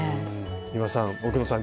丹羽さん奥野さん